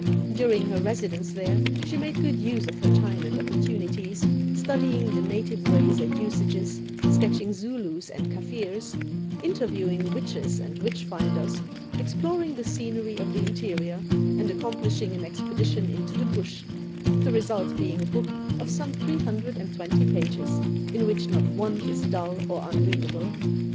During her residence there she made good use of her time and opportunities, studying the native ways and usages, sketching Zulus and Kaffirs, interviewing witches and witch finders, exploring the scenery of the interior, and accomplishing an expedition into the Bush, the result being a book of some 320 pages, in which not one is dull or unreadable.